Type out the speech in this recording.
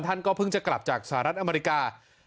ท่านก็เพิ่งจะกลับจากสหรัฐอเมริกา